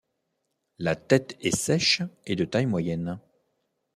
La tête est sèche et de taille moyenne.